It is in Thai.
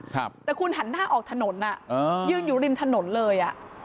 แต่คุณถันหน้าออกถนนยืนอยู่ริมถนนเลย